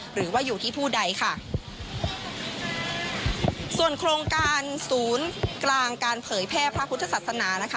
หรือว่าอยู่ที่ผู้ใดค่ะส่วนโครงการศูนย์กลางการเผยแพร่พระพุทธศาสนานะคะ